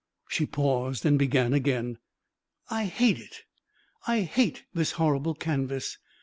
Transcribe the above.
She paused and began again. "I hate it! I hate this horrible canvas!